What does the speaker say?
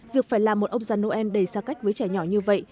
việc phải làm một ông già noel đầy xa cách với trẻ nhỏ như vậy